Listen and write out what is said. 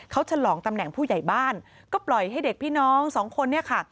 เขาฉลองตำแหน่งผู้ใหญ่บ้านก็ปล่อยให้เด็กพี่น้องสองคนเนี่ยค่ะ